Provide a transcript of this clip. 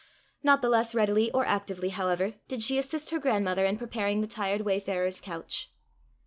Not the less readily or actively, however, did she assist her grandmother in preparing the tired wayfarer's couch.